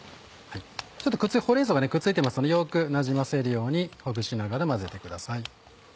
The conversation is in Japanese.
ほうれん草がくっついてますのでよくなじませるようにほぐしながら混ぜてください。